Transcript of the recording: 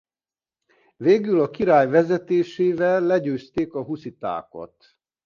Végül a király vezetésével legyőzték a huszitákat.